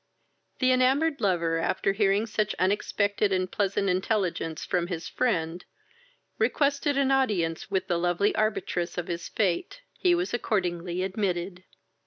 The enamoured lover, after hearing such unexpected and pleasant intelligence from his friend, requested an audience with the lovely arbitress of his fate. He was accordingly admitted.